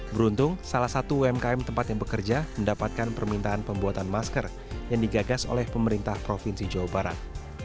beruntung salah satu umkm tempat yang bekerja mendapatkan permintaan pembuatan masker yang digagas oleh pemerintah provinsi jawa barat